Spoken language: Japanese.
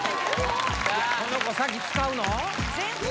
この子先使うの？